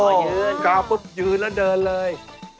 ยืนกาวปุ๊บยืนแล้วเดินเลย